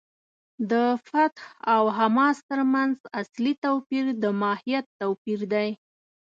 د فتح او حماس تر منځ اصلي توپیر د ماهیت توپیر دی.